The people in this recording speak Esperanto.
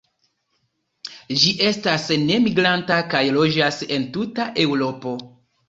Ĝi estas nemigranta, kaj loĝas en tuta Eŭropo.